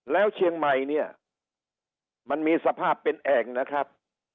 แล้วเชียงใหม่เนี่ยมันมีสภาพเป็นแอ่งนะครับ